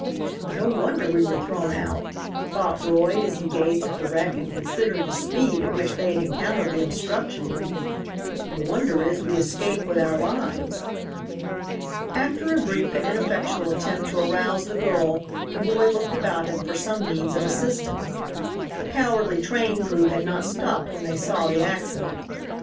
"No wonder we were thrown out," thought Roy, as he gazed at the wreck and considered the speed at which they had encountered the obstruction. "The wonder is we escaped with our lives." After a brief and ineffectual attempt to arouse the girl the boy looked about him for some means of assistance. The cowardly train crew had not stopped when they saw the accident.